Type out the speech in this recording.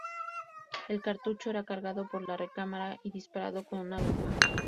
El cartucho era cargado por la recámara y disparado con una aguja.